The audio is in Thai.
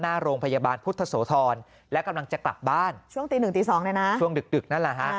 หน้าโรงพยาบาลพุทธโสธรและกำลังจะกลับบ้านช่วงตีหนึ่งตีสองเลยนะช่วงดึกดึกนั่นแหละฮะ